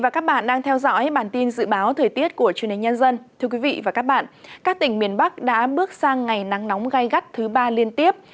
các tỉnh miền bắc đã bước sang ngày nắng nóng gai gắt thứ ba liên tiếp